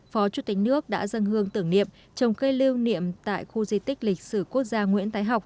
phó chủ tịch nước đã dân hương tưởng niệm trồng cây lưu niệm tại khu di tích lịch sử quốc gia nguyễn thái học